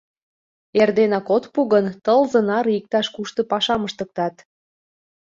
Эрденак от пу гын, тылзе наре иктаж-кушто пашам ыштыктат.